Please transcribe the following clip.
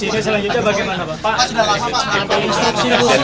pak sudah lama pak pak sudah lama pak